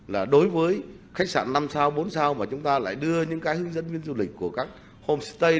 là đối với khách sạn năm sao bốn sao mà chúng ta lại đưa những cái hướng dẫn viên du lịch của các homestay